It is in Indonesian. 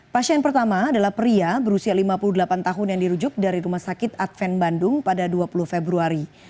pasien pertama adalah pria berusia lima puluh delapan tahun yang dirujuk dari rumah sakit adven bandung pada dua puluh februari